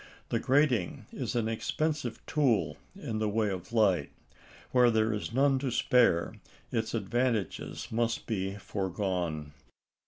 The grating is an expensive tool in the way of light. Where there is none to spare, its advantages must be foregone.